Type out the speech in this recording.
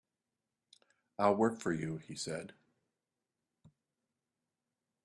"I'll work for you," he said.